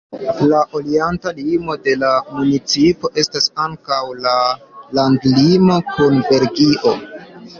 La orienta limo de la municipo estas ankaŭ la landlimo kun Belgio.